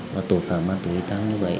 và tội phạm ma túy tăng như vậy